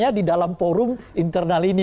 dan ini di dalam forum internal ini